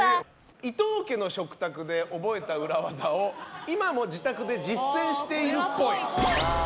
「伊東家の食卓」で覚えた裏技を今も自宅で実践しているっぽい。